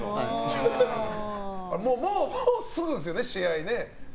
もうすぐですよね、試合ね。